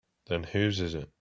Then whose is it?